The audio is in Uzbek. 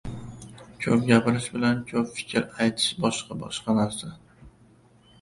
Ko‘p gapirish bilan ko‘p fikr aytish boshqa-boshqa narsa.